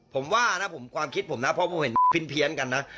ผมว่านะผมความคิดผมนะเพราะผมเห็นเพี้ยนกันนะ